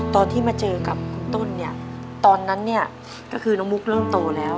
ตอนที่มาเจอกับคุณต้นเนี่ยตอนนั้นเนี่ยก็คือน้องมุกเริ่มโตแล้ว